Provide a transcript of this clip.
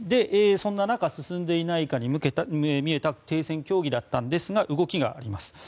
そんな中進んでいないかに見えた停戦協議だったんですが動きがあります。